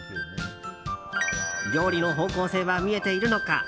料理の方向性は見えているのか。